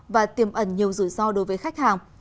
và tiềm ẩn nhiều rủi ro đối với khách hàng